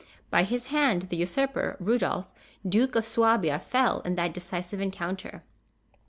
By his hand the usurper, Rudolph, Duke of Suabia, fell in that decisive encounter.